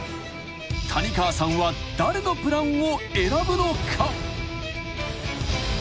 ［谷川さんは誰のプランを選ぶのか？］